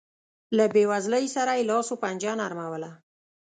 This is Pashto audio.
له بېوزلۍ سره یې لاس و پنجه نرموله.